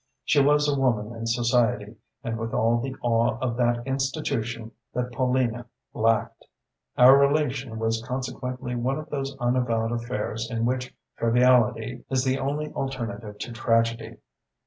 She was a woman in society, and with all the awe of that institution that Paulina lacked. Our relation was consequently one of those unavowed affairs in which triviality is the only alternative to tragedy.